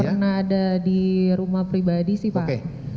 karena ada di rumah pribadi sih pak